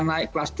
naik kelas dua